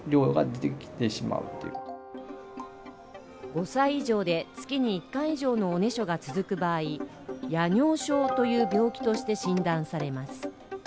５歳以上で月に１回以上のおねしょが続く場合、夜尿症という病気として診断されます。